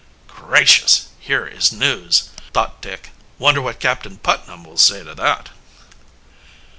"Gracious, here is news!" thought Dick. "Wonder what Captain Putnam will say to that?"